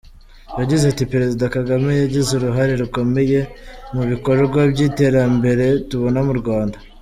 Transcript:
Yagize ati “Perezida Kagame yagize uruhare rukomeye mu bikorwa by’iterambere tubona mu Rwanda.